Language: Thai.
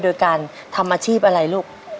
โดยการทำอาชีพอะไรลูก